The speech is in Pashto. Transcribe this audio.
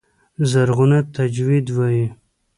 زرغونه تجوید وايي.